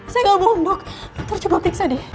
saya gak mau unduk nanti coba piksade